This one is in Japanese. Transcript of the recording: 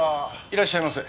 いらっしゃいませ。